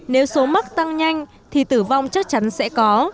nếu số mắc tăng nhanh thì tử vong chắc chắn sẽ có